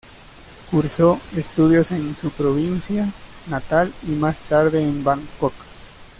Cursó estudios en su provincia natal y más tarde en Bangkok.